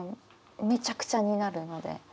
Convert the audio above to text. めちゃくちゃになるので。